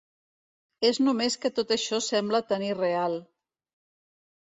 És només que tot això sembla tan irreal.